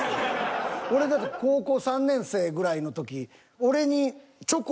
俺だって高校３年生ぐらいの時。